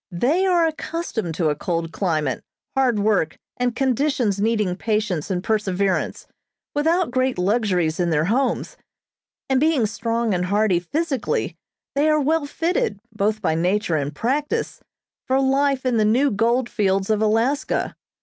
They are accustomed to a cold climate, hard work, and conditions needing patience and perseverance, without great luxuries in their homes, and being strong and hearty physically, they are well fitted, both by nature and practice, for life in the new gold fields of Alaska.